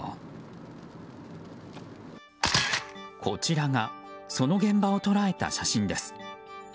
こちらがその現場を捉えた写真です。